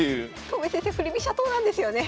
戸辺先生振り飛車党なんですよね。